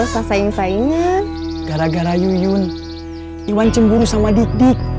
kalau saya senyum saya bukan lagi menggoda tapi lagi ibadah